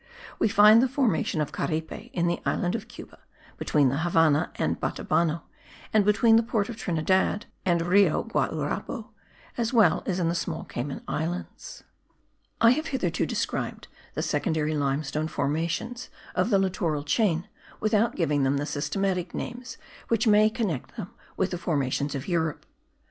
We find the formation of Caripe in the island of Cuba (between the Havannah and Batabano and between the port of Trinidad and Rio Guaurabo), as well in the small Cayman Islands. I have hitherto described the secondary limestone formations of the littoral chain without giving them the systematic names which may connect them with the formations of Europe.